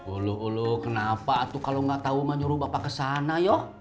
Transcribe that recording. uluh uluh kenapa atu kalau gak tau mau nyuruh bapak kesana yoh